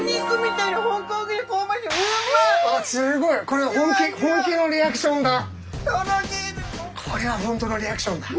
これは本当のリアクションだ。